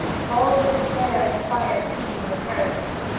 All this fair and quiet scene was hers.